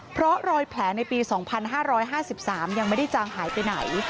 เพราะรอยแผลในปี๒๕๕๓ยังไม่ได้จางหายไปไหน